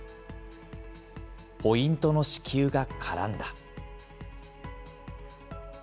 ポイントの四球が絡んだ。